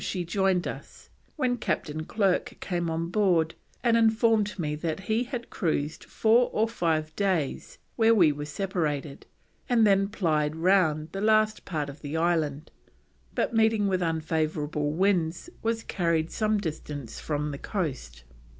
she joined us, when Captain Clerke came on board and informed me that he had cruised four or five days where we were separated and then plyed round the last part of the Island, but meeting with unfavourable winds, was carried some distance from the coast.